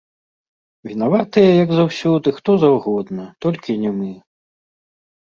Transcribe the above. Вінаватыя, як заўсёды, хто заўгодна, толькі не мы.